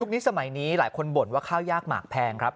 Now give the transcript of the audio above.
นี้สมัยนี้หลายคนบ่นว่าข้าวยากหมากแพงครับ